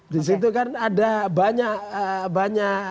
disitu kan ada banyak